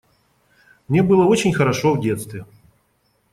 Мне было очень хорошо в детстве.